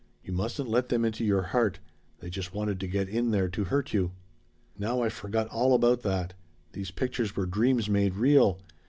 You mustn't let them into your heart. They just wanted to get in there to hurt you. "Now I forgot all about that. These pictures were dreams made real.